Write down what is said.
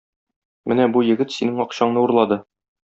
Менә бу егет синең акчаңны урлады.